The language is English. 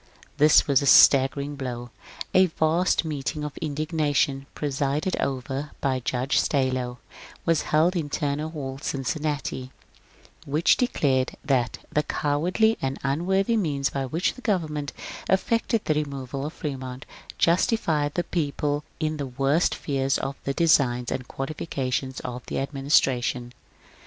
This was a staggering blow. A vast meeting of indigna tion, presided over by Judge Stallo, was held in Turner Hall, Cincinnati, which declared that ^^ the cowardly and unworthy means by which the government effected the removal of Fremont justifies the people in the worst fears of the designs and qualifications of the administration."